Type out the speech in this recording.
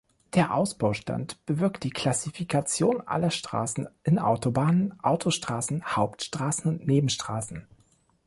Der Ausbaustand bewirkt die Klassifikation aller Strassen in Autobahnen, Autostrassen, Hauptstrassen und Nebenstrassen.